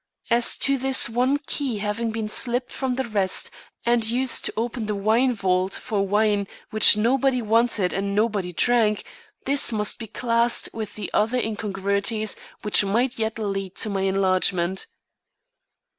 As to this one key having been slipped from the rest and used to open the wine vault for wine which nobody wanted and nobody drank this must be classed with the other incongruities which might yet lead to my enlargement.